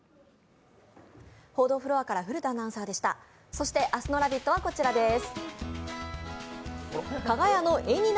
そして明日の「ラヴィット！」はこちらです。